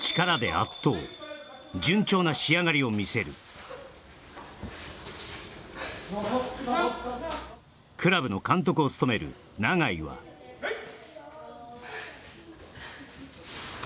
順調な仕上がりを見せるクラブの監督を務める永井ははいっ